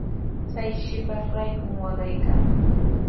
Chay shipashraykumi waqaykaa.